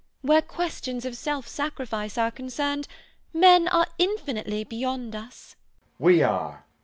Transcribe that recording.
Where questions of self sacrifice are concerned, men are infinitely beyond us.